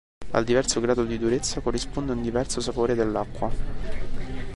Al diverso grado di durezza corrisponde un diverso sapore dell'acqua.